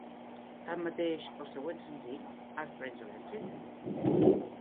Tanmateix, el següent senzill, "Are 'Friends' Electric?"